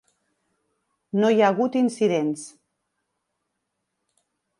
No hi ha hagut incidents.